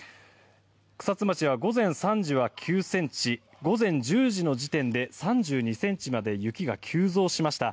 草津町では午前３時は９ｃｍ午前１０時の時点で３２ｃｍまで雪が急増しました。